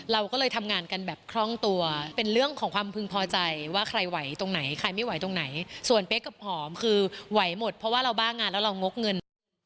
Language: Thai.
เราก็เลยทำงานกันแบบคล่องตัวเป็นเรื่องของความพึงพอใจว่าใครไหวตรงไหนใครไม่ไหวตรงไหนส่วนเป๊กกับหอมคือไหวหมดเพราะว่าเราบ้างานแล้วเรางกเงิน